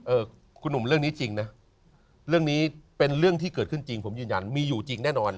คุณหนุ่มเรื่องนี้จริงนะเรื่องนี้เป็นเรื่องที่เกิดขึ้นจริงผมยืนยันมีอยู่จริงแน่นอน